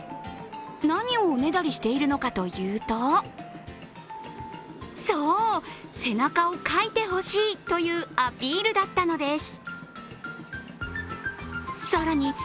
何をおねだりしているのかというとそう、背中をかいてほしいというアピールだったのです。